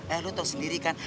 eh lo tau sendiri kan